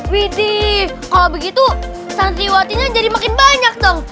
widih kalau begitu santriwatinya jadi makin banyak dong